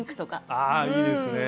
ああいいですね。